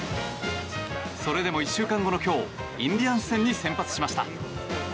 それでも１週間後の今日インディアンス戦に先発しました。